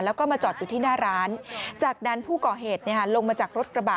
แล้วก็มาจอดอยู่ที่หน้าร้านจากนั้นผู้ก่อเหตุลงมาจากรถกระบะ